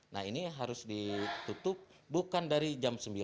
nah ini harus ditutup bukan dari jam sembilan